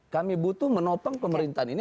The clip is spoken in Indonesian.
kami butuh menopang pemerintahan ini